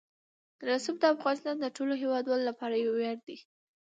رسوب د افغانستان د ټولو هیوادوالو لپاره یو ویاړ دی.